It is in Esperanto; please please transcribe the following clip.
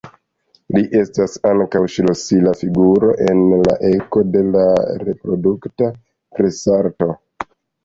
Li estas ankaŭ ŝlosila figuro en la eko de la reprodukta presarto.